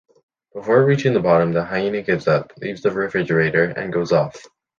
Before reaching the bottom, the hyena gives up, leaves the refrigerator, and goes off.